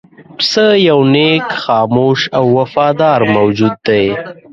پسه یو نېک، خاموش او وفادار موجود دی.